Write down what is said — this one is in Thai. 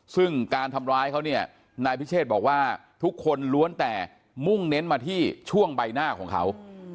ซึ่งการทำร้ายเขาเนี่ยนายพิเชษบอกว่าทุกคนล้วนแต่มุ่งเน้นมาที่ช่วงใบหน้าของเขา